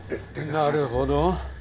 なるほど。